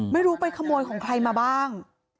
ไม่รู้ไปขโมยของใครมาบ้าง